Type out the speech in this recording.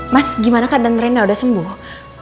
mas gimana keadaan rena udah sembuh